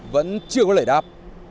vẫn chưa có lời đáp